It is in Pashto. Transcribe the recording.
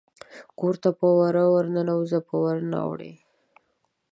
کور ته په وره ورننوزي په ور نه اوړي